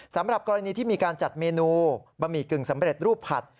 สำหรับกรณีที่มีการจัดเมนูบะหมี่กึ่งสำเร็จรูปผัด